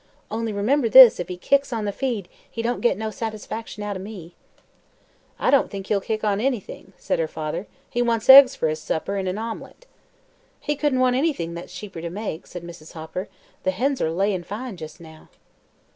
Only, remember this, if he kicks on the feed he don't git no satisfaction out o' me." "I don't think he'll kick on anything," said her father. "He wants eggs for his supper, in a omelet." "He couldn't want anything that's cheaper to make," said Mrs. Hopper. "The hens are layin' fine jus' now."